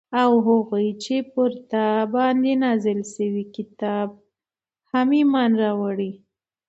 او هغو چې پر تا باندي نازل شوي كتاب هم ايمان راوړي